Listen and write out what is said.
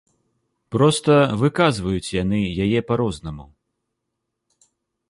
Проста выказваюць яны яе па-рознаму.